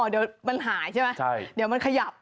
เดี๋ยวมันหายใช่ไหมเดี๋ยวมันขยับ